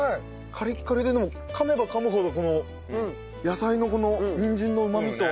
カリッカリででも噛めば噛むほどこの野菜のこのにんじんのうまみと甘みが。